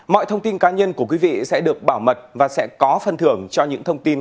mọi thông tin cá nhân của quý vị sẽ được bảo mật và sẽ có phát hiện